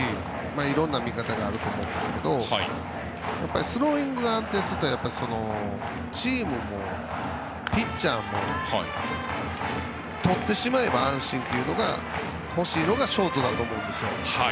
いろんな見方があると思うんですけどスローイングが安定するとチームもピッチャーもとってしまえば安心というのが欲しいのがショートだと思うんですよ。